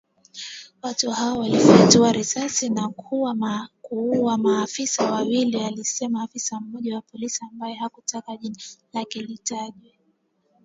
Watu hao walifyatua risasi na kuwaua maafisa wawili, alisema afisa mmoja wa polisi ambaye hakutaka jina lake litajwe.